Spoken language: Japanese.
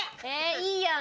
いいやん！